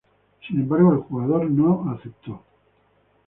Sin embargo el jugador no acepto.